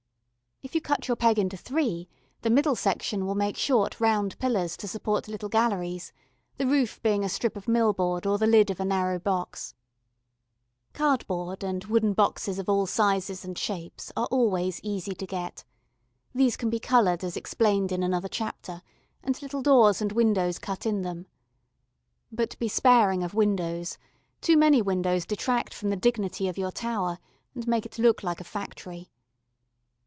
If you cut your peg into three, the middle section will make short round pillars to support little galleries, the roof being a strip of mill board or the lid of a narrow box. [Illustration: CLOTHES PEGS.] Cardboard and wooden boxes of all sizes and shapes are always easy to get. These can be coloured as explained in another chapter, and little doors and windows cut in them. But be sparing of windows; too many windows detract from the dignity of your tower, and make it look like a factory.